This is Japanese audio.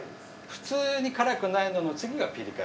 普通に辛くないのの次がピリ辛。